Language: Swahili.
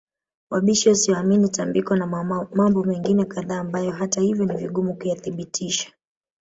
wabishi wasioamini tambiko na mambo mengine kadhaa ambayo hata hivyo ni vigumu kuyathibitisha